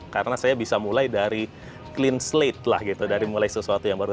karena saya bisa mulai dari clean slate lah gitu dari mulai sesuatu yang baru